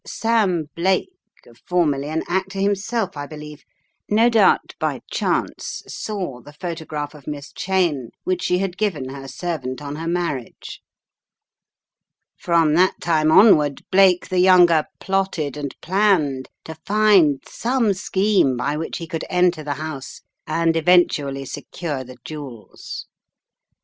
Sam Blake formerly an actor himself I believe, no doubt by chance saw the photograph of Miss Cheyne, which she had given her servant on her marriage. From that time onward Blake the younger plotted and planned to find some scheme by which he could enter the house and eventually secure the jewels.